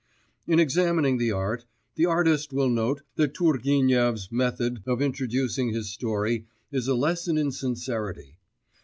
In examining the art, the artist will note that Turgenev's method of introducing his story is a lesson in sincerity.